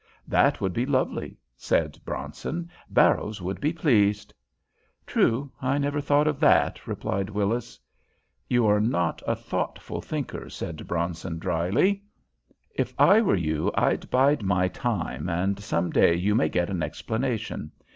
"That would be lovely," said Bronson. "Barrows would be pleased." "True. I never thought of that," replied Willis. "You are not a thoughtful thinker," said Bronson, dryly. "If I were you I'd bide my time, and some day you may get an explanation.